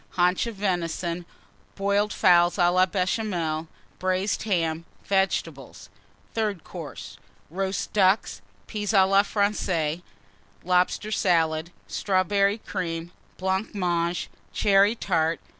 Haunch of Venison. Boiled Fowls à la Béchamel. Braised Ham. Vegetables. THIRD COURSE. Roast Ducks. Peas à la Française. Lobster Salad. Strawberry Cream. Blancmange. Cherry Tart.